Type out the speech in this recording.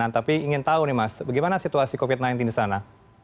tapi ingin tahu nih mas bagaimana situasi covid sembilan belas di sana